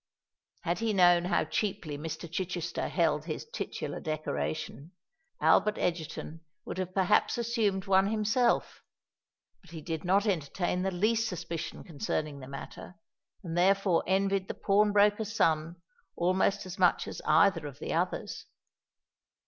Had he known how cheaply Mr. Chichester held his titular decoration, Albert Egerton would have perhaps assumed one himself: but he did not entertain the least suspicion concerning the matter, and therefore envied the pawnbroker's son almost as much as either of the others.